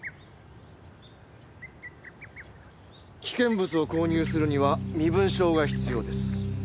危険物を購入するには身分証が必要です。